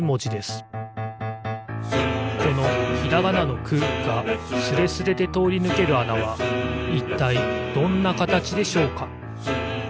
このひらがなの「く」がスレスレでとおりぬけるあなはいったいどんなかたちでしょうか？